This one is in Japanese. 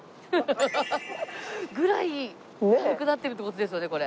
ハハハハ！ぐらい軽くなってるっていう事ですよねこれ。